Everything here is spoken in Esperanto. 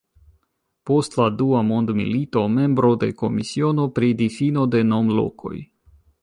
Post la dua mondmilito membro de Komisiono pri Difino de Nom-Lokoj.